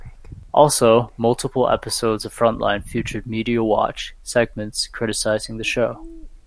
Also, multiple episodes of "Frontline" featured "Media Watch" segments criticising the show.